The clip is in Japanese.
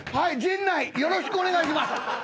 陣内よろしくお願いします。